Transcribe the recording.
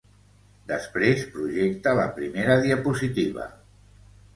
Després projecta la primera diapositiva.